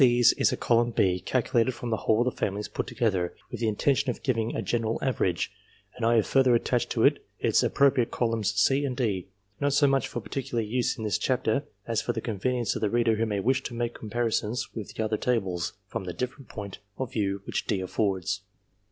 14 37 44 15 23 5 18 16 31 9 COMPARISON OF RESULTS 309 is a column B calculated from the whole of the families put together, with the intention of giving a general average ; and I have further attached to it its appropriate columns C and D, not so much for particular use in this chapter as for the convenience of the reader who may wish to make comparisons with the other tables, from the different point of view which D affords.